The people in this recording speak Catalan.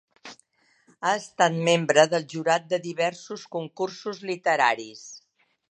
Ha estat membre del jurat de diversos concursos literaris.